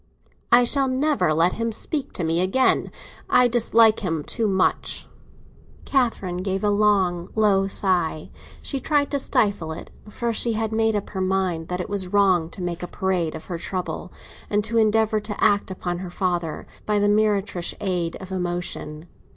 "I shall never let him speak to me again. I dislike him too much." Catherine gave a long, low sigh; she tried to stifle it, for she had made up her mind that it was wrong to make a parade of her trouble, and to endeavour to act upon her father by the meretricious aid of emotion.